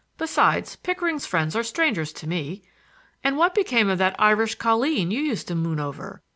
Besides, Pickering's friends are strangers to me. But what became of that Irish colleen you used to moon over?